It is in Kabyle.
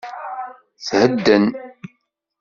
Thedden!